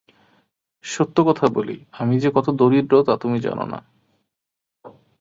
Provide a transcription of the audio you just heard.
সত্য কথা বলি, আমি যে কত দরিদ্র তা তুমি জান না।